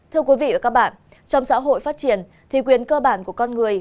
thưa quý vị và các bạn trong xã hội phát triển thì quyền cơ bản của con người